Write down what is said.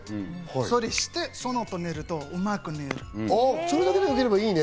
そしてその後、寝るとうまく眠れる。